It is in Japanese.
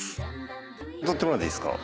撮ってもらっていいですか？